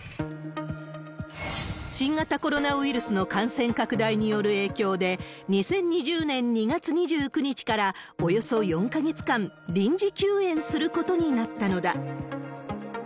新型コロナウイルスの感染拡大による影響で、２０２０年２月２９日からおよそ４か月間、臨時休園することになったのだ。